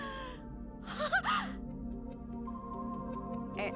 えっ？